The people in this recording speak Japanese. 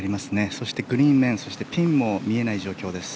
そしてグリーン面ピンも見えない状況です。